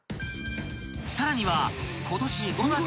［さらには］